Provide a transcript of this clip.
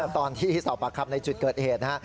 ตอนที่สอบปากคำในจุดเกิดเหตุนะฮะ